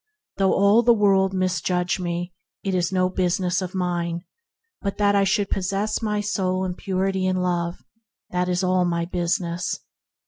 Though all the world misjudge me, it is no business of mine; but that I should possess my soul in Purity and Love, that is all my business.